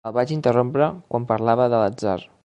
El vaig interrompre quan parlava de l'atzar.